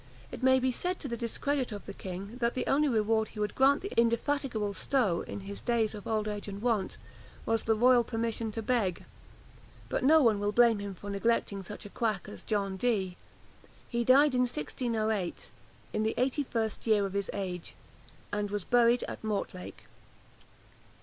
It may be said to the discredit of this king, that the only reward he would grant the indefatigable Stowe, in his days of old age and want, was the royal permission to beg; but no one will blame him for neglecting such a quack as John Dee. He died in 1608, in the eighty first year of his age, and was buried at Mortlake.